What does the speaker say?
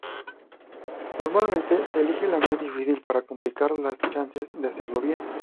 Normalmente se elige la más difícil para complicar las chances de hacerlo bien.